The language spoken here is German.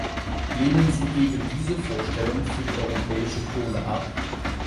Lehnen Sie eben diese Vorstellung für die europäische Kohle ab?